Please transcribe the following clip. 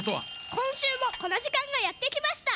こんしゅうもこのじかんがやってきました！